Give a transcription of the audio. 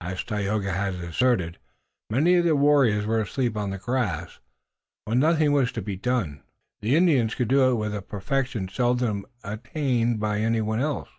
As Tayoga had asserted, many of the warriors were asleep on the grass. When nothing was to be done, the Indian could do it with a perfection seldom attained by anybody else.